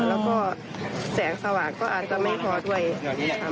แล้วก็แสงสว่างก็อาจจะไม่พอด้วยค่ะ